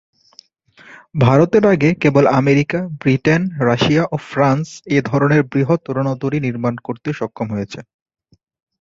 ভারতের আগে কেবল আমেরিকা, ব্রিটেন, রাশিয়া ও ফ্রান্স এ ধরনের বৃহৎ রণতরী নির্মাণ করতে সক্ষম হয়েছে।